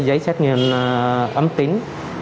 giấy xét nghiệm ấm tính